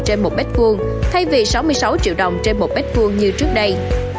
trên một mét vuông thay vì sáu mươi sáu triệu đồng trên một mét vuông như trước đây